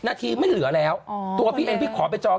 นาทีไม่เหลือแล้วตัวพี่เองพี่ขอไปจอง